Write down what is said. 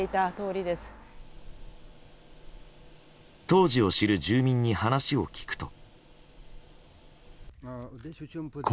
当時を知る住民に話を聞くと。